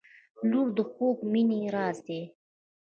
• لور د خوږې مینې راز دی.